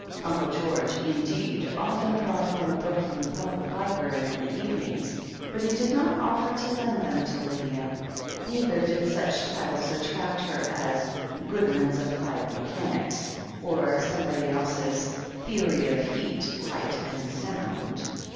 Uncle George, indeed, often brought home a book from the Public Library in the evenings, but he did not offer to lend them to Lydia, neither did such titles attract her as "Goodman's Applied Mechanics," or somebody Rise's "Theory of Heat, Light, and Sound."